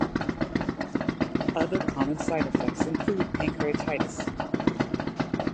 Other common side effects include pancreatitis.